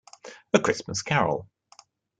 A Christmas Carol.